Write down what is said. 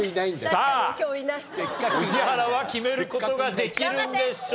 さあ宇治原は決める事ができるんでしょうか？